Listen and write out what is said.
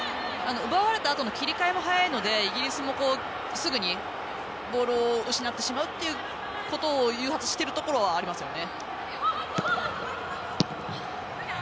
奪われたあとも切り替えは早いのでイギリスも、すぐにボールを失ってしまうということを誘発しているところはありますよね。